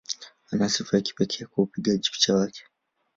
Ana sifa ya kipekee kwa upigaji picha wake.